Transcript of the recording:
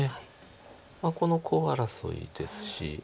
このコウ争いですし。